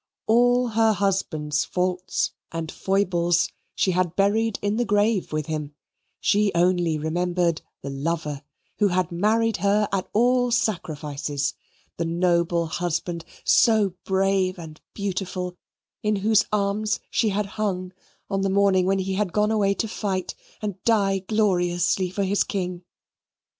All her husband's faults and foibles she had buried in the grave with him: she only remembered the lover, who had married her at all sacrifices, the noble husband, so brave and beautiful, in whose arms she had hung on the morning when he had gone away to fight, and die gloriously for his king.